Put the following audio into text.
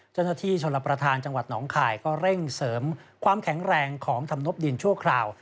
เจ้าหน้าที่ชนรับประทานจังหวัดหนองคายก็เร่งเสริมความแข็งแรงของธรรมนบดินชั่วคราว